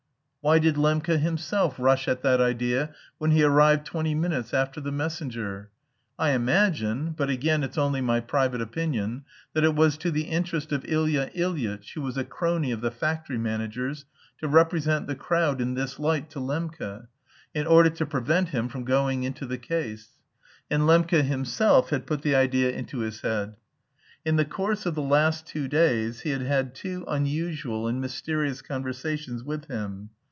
Why did Lembke himself rush at that idea when he arrived twenty minutes after the messenger? I imagine (but again it's only my private opinion) that it was to the interest of Ilya Ilyitch, who was a crony of the factory manager's, to represent the crowd in this light to Lembke, in order to prevent him from going into the case; and Lembke himself had put the idea into his head. In the course of the last two days, he had had two unusual and mysterious conversations with him.